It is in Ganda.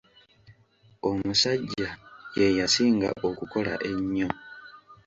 Omusajja ye yasinga okukola ennyo.